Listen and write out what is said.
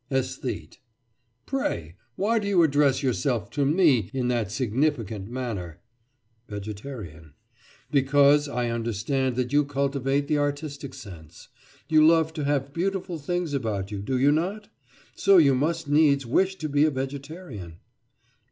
ÆSTHETE: Pray, why do you address yourself to me in that significant manner? VEGETARIAN: Because I understand that you cultivate the artistic sense. You love to have beautiful things about you, do you not? So you must needs wish to be a vegetarian.